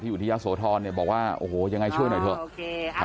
อยู่ที่ยะโสธรเนี่ยบอกว่าโอ้โหยังไงช่วยหน่อยเถอะ